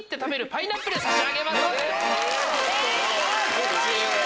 こっち。